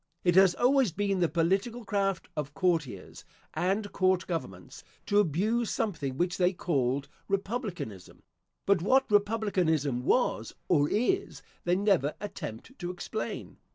It has always been the political craft of courtiers and court governments, to abuse something which they called republicanism; but what republicanism was, or is, they never attempt to explain.